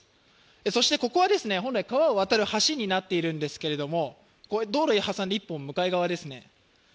そしてここは本来、川を渡る橋になっているんですけれども、道路を挟んで１本向かい側ですね。